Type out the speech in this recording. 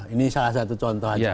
ini salah satu contoh aja